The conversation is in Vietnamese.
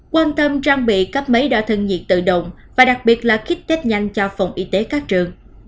quan tâm trang bị cấp máy đo thân nhiệt tự động và đặc biệt là kích tết nhanh cho phòng y tế các trường